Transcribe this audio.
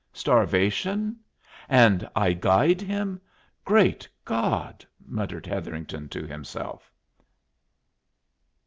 "Starvation? And I guyed him! Great God!" muttered Hetherington to himself.